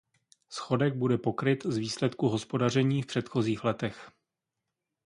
Schodek bude pokryt z výsledku hospodaření v předchozích letech.